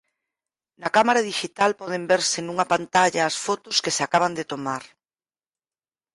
Na cámara dixital poden verse nunha pantalla as fotos que se acaban de tomar.